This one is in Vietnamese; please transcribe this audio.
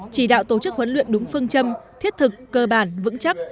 chỉ đạo tổ chức huấn luyện đúng phương châm thiết thực cơ bản vững chắc